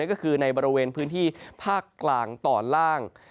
ก็คือในบริเวณพื้นที่ภาคกลางตอนล่าง